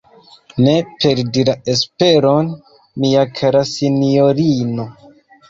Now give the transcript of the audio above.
Ne perdu la esperon, mia kara sinjorino!